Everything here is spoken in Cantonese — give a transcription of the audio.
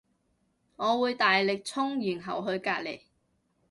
我會大力衝然後去隔籬